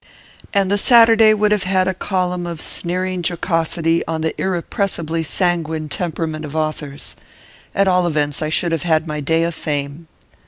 And the Saturday would have had a column of sneering jocosity on the irrepressibly sanguine temperament of authors. At all events, I should have had my day of fame.